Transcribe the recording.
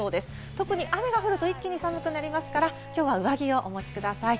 特に雨が降ると一気に寒くなりますから、きょうは上着をお持ちください。